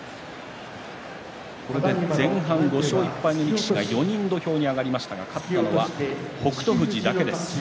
これで前半、５勝１敗の力士が５人土俵に上がりましたが勝ったのは北勝富士だけです。